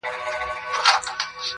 بوډا سترګي کړلي پټي په ژړا سو!!